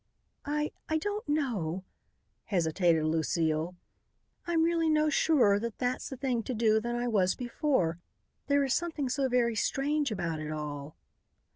"I I don't know," hesitated Lucile. "I'm really no surer that that's the thing to do than I was before. There is something so very strange about it all."